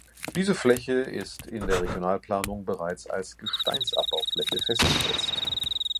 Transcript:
Diese Fläche ist in der Regionalplanung bereits als Gesteinsabbaufläche festgesetzt.